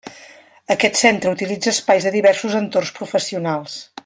Aquest centre utilitza espais de diversos entorns professionals.